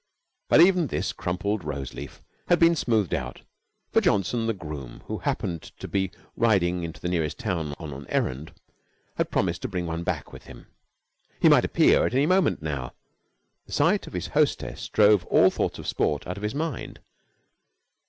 But even this crumpled rose leaf had been smoothed out, for Johnson, the groom, who happened to be riding into the nearest town on an errand, had promised to bring one back with him. He might appear at any moment now. The sight of his hostess drove all thoughts of sport out of his mind.